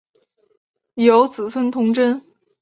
有子孙同珍。